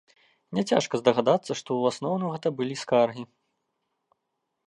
Няцяжка здагадацца, што ў асноўным гэта былі скаргі.